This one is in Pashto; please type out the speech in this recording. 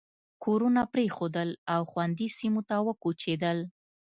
کورونه پرېښودل او خوندي سیمو ته وکوچېدل.